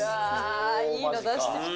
いいの出してきた。